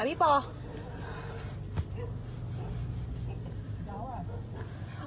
ไม่รู้